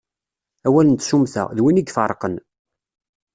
Awal n tsummta, d win i ifeṛṛqen.